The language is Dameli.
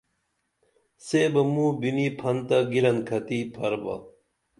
سے بہ موں بِنی پھن تہ گِرن کھتی پھر با